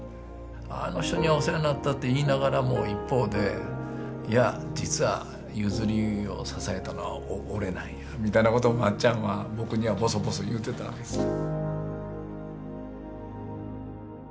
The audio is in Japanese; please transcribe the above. あの人にはお世話になったって言いながらも一方でいや実は嗣業を支えたのは俺なんやみたいなことを松ちゃんは僕にはぼそぼそ言うてたわけですよ。